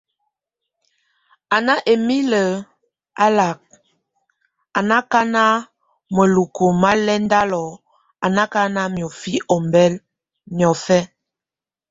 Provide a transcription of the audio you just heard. A nʼ émil alakak, a nákɛmaka mueluku malɛndal a nákana miɔfi ombɛl miɔfɛ.